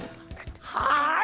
はい！